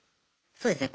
そうですね